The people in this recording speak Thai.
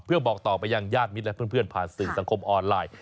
เพื่อบอกต่อไปยังญาติมิตรและเพื่อนผ่านสื่อสังคมออนไลน์